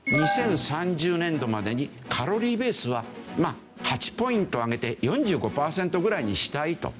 ２０３０年度までにカロリーベースは８ポイント上げて４５パーセントぐらいにしたいと。